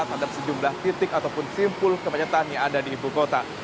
terhadap sejumlah titik ataupun simpul kemacetan yang ada di ibu kota